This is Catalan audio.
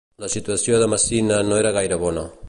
La situació de Messina no era gaire bona.